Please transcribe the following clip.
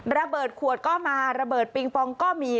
ระเบิดขวดก็มาระเบิดปิงปองก็มี